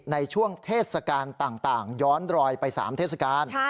ในช่วงเทศกาลต่างย้อนรอยไป๓เทศกาล